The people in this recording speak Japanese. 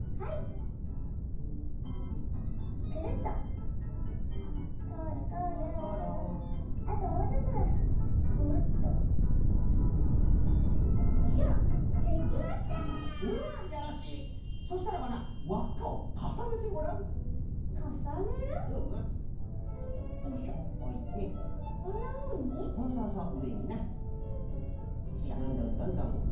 はいどんどんどんどん！